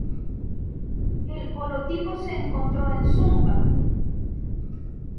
El holotipo se encontró en Sumba.